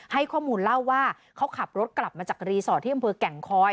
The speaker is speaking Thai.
ให้ข้อมูลเล่าว่าเขาขับรถกลับมาจากรีสอร์ทที่อำเภอแก่งคอย